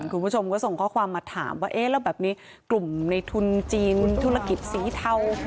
คุณผู้ชมก็ส่งข้อความมาถามว่าเอ๊ะแล้วแบบนี้กลุ่มในทุนจีนธุรกิจสีเทา